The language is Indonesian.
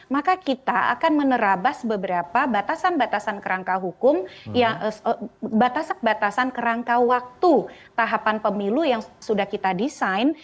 maka kita akan menerabas beberapa batasan batasan kerangka hukum batasan batasan kerangka waktu tahapan pemilu yang sudah kita desain